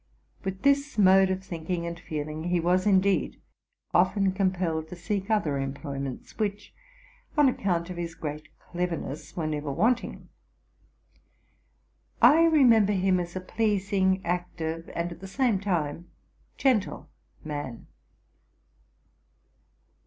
With this mode of thinking and feeling, he was, indeed, often compelled to seek other "employ ments, which, on account of his great cleverness, were never want ing. I remember him as a pleasing, active, and, at the same time, gentle man.